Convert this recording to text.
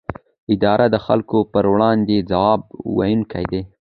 اداره د خلکو پر وړاندې ځواب ویونکې ده.